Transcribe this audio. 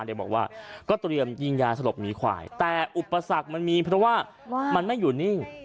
โดยบอกว่าก็เตรียมยิงยาสลบหมีควายแต่อุปสรรคมันมีเพราะว่ามันไม่อยู่นิ่ง